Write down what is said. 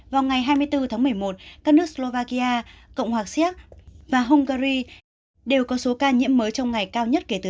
vào ngày hai mươi bốn tháng một mươi một các nước slovakia cộng hòa xéc và hungary đều có số ca nhiễm mới trong ngày cao nhất kể từ